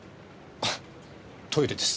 あっトイレです。